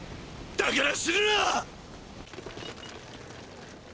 だから死ぬな！